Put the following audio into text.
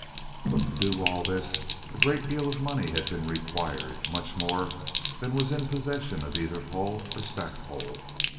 But to do all this a great deal of money had been required, much more than was in possession of either Hull or Stackpole.